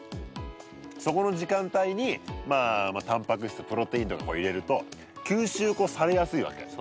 そこの時間帯にタンパク質プロテインとか入れると吸収されやすいわけ。